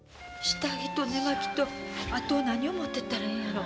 下着と寝巻きとあと何を持っていったらええんやろ。